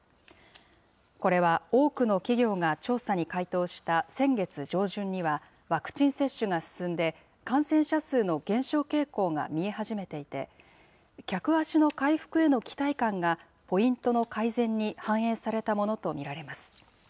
これは多くの企業が調査に回答した先月上旬にはワクチン接種が進んで、感染者数の減少傾向が見え始めていて、客足の回復への期待感が、ポイントの改善に反映されたものと見られます。